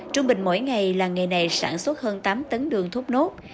trung bình mỗi ngày làng nghề này sản xuất hơn tám tấn đường thốt nốt